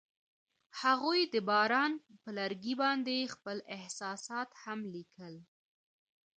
هغوی د باران پر لرګي باندې خپل احساسات هم لیکل.